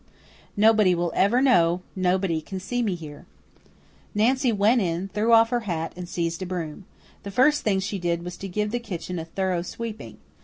Nobody will ever know; nobody can see me here." Nancy went in, threw off her hat, and seized a broom. The first thing she did was to give the kitchen a thorough sweeping.